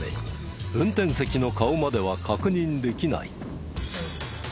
運転席の顔までは確認できない。